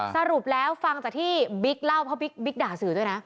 สรุปแล้วฟังจากที่บิ๊กเล่าเพราะบิ๊กด่าสื่อด้วยนะ